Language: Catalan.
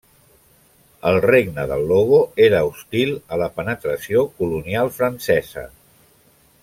El regne del Logo era hostil a la penetració colonial francesa.